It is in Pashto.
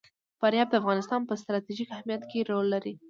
فاریاب د افغانستان په ستراتیژیک اهمیت کې رول لري.